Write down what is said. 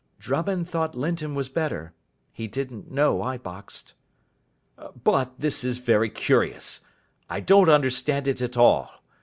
"Drummond thought Linton was better. He didn't know I boxed." "But this is very curious. I don't understand it at all.